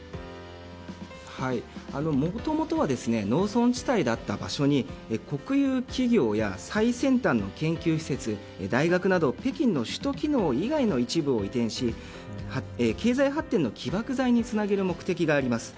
もともと農村地帯だった場所に国有企業や最先端の研究施設大学など北京の首都機能以外の一部を移転し経済発展の起爆剤につなげる目的があります。